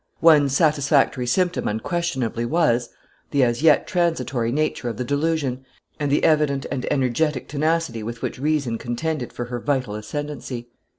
One satisfactory symptom unquestionably was, the as yet transitory nature of the delusion, and the evident and energetic tenacity with which reason contended for her vital ascendancy.